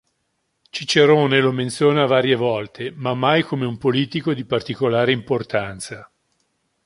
Cicerone lo menziona varie volte, ma mai come un politico di particolare importanza.